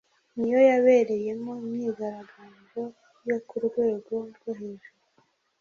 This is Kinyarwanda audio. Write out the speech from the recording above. ni yo yabereyemo imyigaragambyo yo ku rwego rwo hejuru